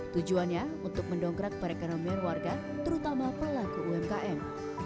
tujuannya untuk mendongkrak perekonomian warga terutama pelaku umkm